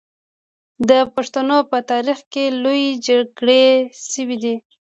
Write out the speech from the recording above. د پښتنو په تاریخ کې لویې جرګې شوي دي.